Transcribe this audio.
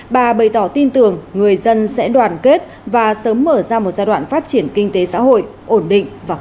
bà bày tỏ tin tưởng người dân sẽ đoàn kết và sớm mở ra một giai đoạn phát triển kinh tế xã hội ổn định và có trợ tự